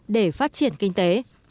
để phát triển kinh tế